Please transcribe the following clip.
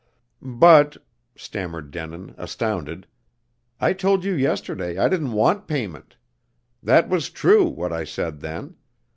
"But," stammered Denin, astounded. "I told you yesterday I didn't want payment. That was true, what I said then.